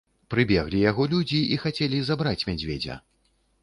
Прыбеглі яго людзі і хацелі забраць мядзведзя.